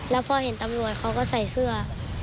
แล้วพอเห็นตำรวจเขาก็ใส่เสื้อ